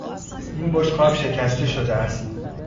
این بشقاب شکسته شده است.